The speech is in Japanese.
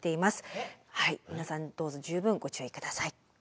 皆さんどうぞ十分ご注意ください。